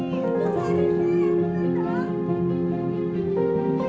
mencoba untuk mencoba